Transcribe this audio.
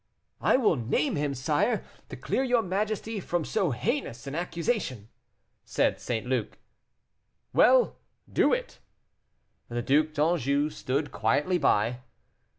"I will name him, sire, to clear your majesty from so heinous an accusation," said St. Luc. "Well! do it." The Duc d'Anjou stood quietly by.